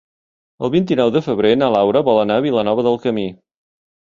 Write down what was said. El vint-i-nou de febrer na Laura vol anar a Vilanova del Camí.